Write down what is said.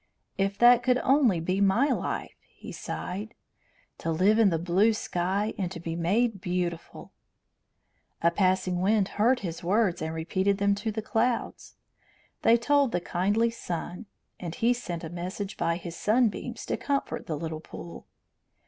"If that could only be my life!" he sighed. "To live in the blue sky and to be made beautiful!" A passing wind heard his words and repeated them to the clouds. They told the kindly sun, and he sent a message by his sunbeams to comfort the little pool.